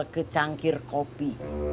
ke cangkir kopi